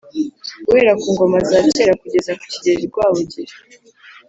guhera ku ngoma za kera kugeza kuri kigeri rwabugiri